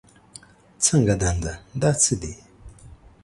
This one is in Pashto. څنګه دنده، دا څه دي؟